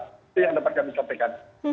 itu yang dapat kami sampaikan